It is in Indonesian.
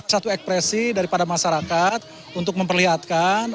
satu ekspresi daripada masyarakat untuk memperlihatkan